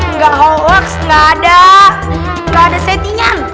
enggak hoax enggak ada settingan